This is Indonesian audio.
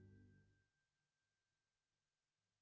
ada di setiap makna indonesia